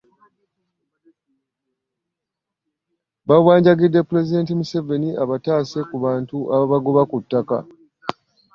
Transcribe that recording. Bawanjagidde pulezidenti Museveni abataase ku bantu ababagoba ku ttaka